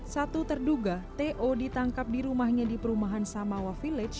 satu terduga to ditangkap di rumahnya di perumahan samawa village